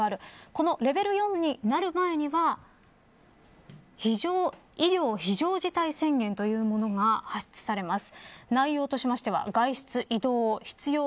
このレベル４になる前には医療非常事態宣言というものが発出されます。